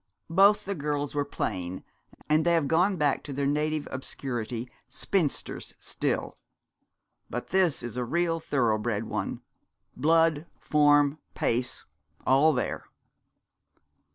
Both the girls were plain, and they have gone back to their native obscurity spinsters still. But this is a real thorough bred one blood, form, pace, all there.'